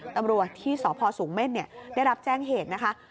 ตำรวจที่สพสูงเม่นได้รับแจ้งเหตุนะคะ